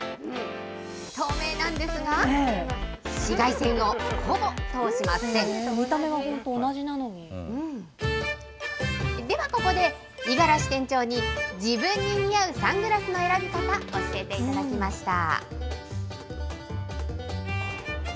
透明なんですが、見た目は本当、では、ここで五十嵐店長に、自分に似合うサングラスの選び方教えていただきました。